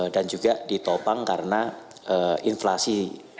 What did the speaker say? dan juga ditopang karena inflasi